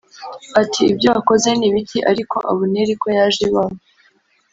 ati “Ibyo wakoze ni ibiki? Ariko Abuneri ko yaje iwawe